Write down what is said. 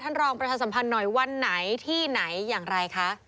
รองประชาสัมพันธ์หน่อยวันไหนที่ไหนอย่างไรคะ